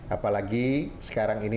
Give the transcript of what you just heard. apalagi sekarang ini